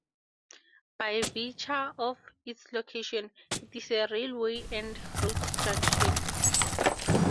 By virtue of its location, it is a railway and road junction.